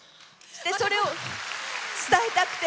それを伝えたくて。